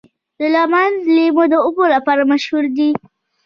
د لغمان لیمو د اوبو لپاره مشهور دي.